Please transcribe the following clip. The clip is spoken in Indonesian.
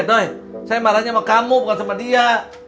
he doi saya marahnya sama kamu bukan sama dia